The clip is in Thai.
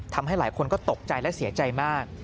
ทำให้หลายคนก็ตกใจและเสียใจมาก